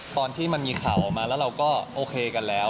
ตอนที่มันมีข่าวออกมาแล้วเราก็โอเคกันแล้ว